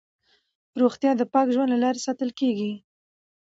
روغتیا د پاک ژوند له لارې ساتل کېږي.